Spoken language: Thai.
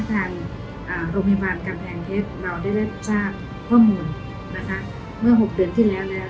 ทางโรงพยาบาลกำแพงเพชรเราได้รับทราบข้อมูลนะคะเมื่อ๖เดือนที่แล้วแล้ว